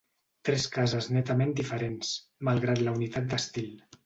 Tres cases netament diferents, malgrat la unitat d'estil.